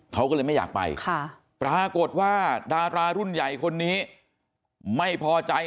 เขาก็เลยไม่อยากไปปรากฏว่าดารารุ่นใหญ่คนนี้ไม่พอใจ